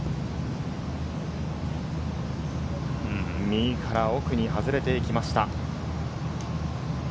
右から奥に外れていきました。